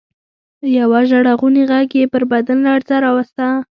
يوه ژړغوني غږ يې پر بدن لړزه راوسته.